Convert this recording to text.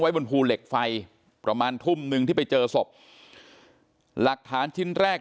บนภูเหล็กไฟประมาณทุ่มหนึ่งที่ไปเจอศพหลักฐานชิ้นแรก